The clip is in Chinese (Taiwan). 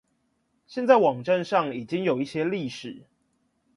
現在網站上已經有一些歷史